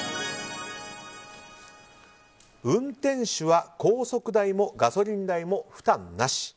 運転手は高速代もガソリン代も負担なし。